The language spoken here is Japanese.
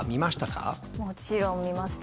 もちろん見ました。